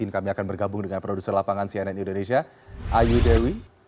kami akan bergabung dengan produser lapangan cnn indonesia ayu dewi